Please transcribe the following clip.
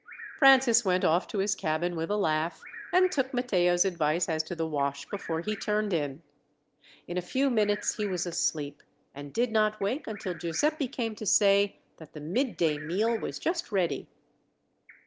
Francis went off to his cabin with a laugh, and took Matteo's advice as to the wash before he turned in. In a few minutes he was asleep, and did not wake until Giuseppi came to say that the midday meal was just ready.